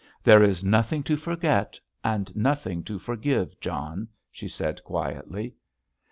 "There is nothing to forget, and nothing to forgive, John," she said quietly.